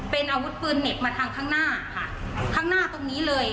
เป็นอาวุธปืนเหน็บมาทางข้างหน้าค่ะข้างหน้าตรงนี้เลย